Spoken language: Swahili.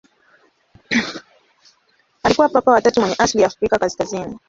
Alikuwa Papa wa tatu mwenye asili ya Afrika kaskazini.